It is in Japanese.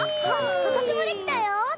わたしもできたよ！